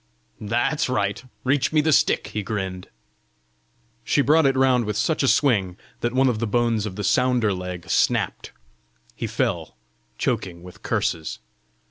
"That's right: reach me the stick!" he grinned. She brought it round with such a swing that one of the bones of the sounder leg snapped. He fell, choking with curses.